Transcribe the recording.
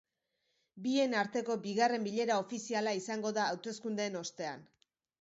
Bien arteko bigarren bilera ofiziala izango da hauteskundeen ostean.